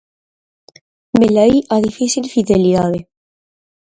Velaí a difícil fidelidade.